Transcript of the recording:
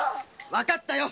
わかった。